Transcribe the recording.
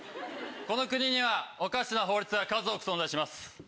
この国にはおかしな法律が数多く存在します。